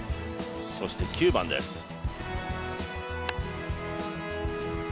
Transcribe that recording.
そして９番です。